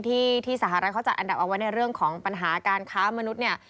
ที่สหรัฐเขาจัดอันดับเอาไว้ในเรื่องของปัญหาการค้ามนุษย์เนี่ย